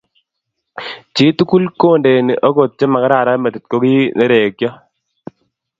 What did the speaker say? Chii tugul Kondeni okot che makararan metit ko ki nerekyo.